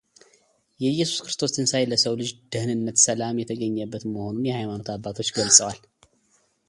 የኢየሱስ ክርስቶስ ትንሣኤ ለሰው ልጅ ደኅንነት ሰላም የተገኘበት መሆኑን የሃይማኖት አባቶች ገልጸዋል፡፡